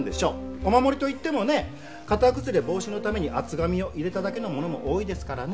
お守りと言ってもね形崩れ防止のために厚紙を入れただけのものも多いですからね。